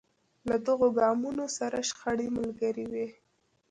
له دغو ګامونو سره شخړې ملګرې وې.